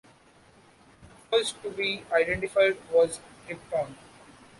First to be identified was krypton.